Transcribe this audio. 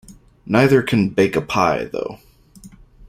Neither can "bake a pie," though.